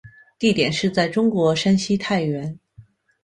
地点是在中国山西太原。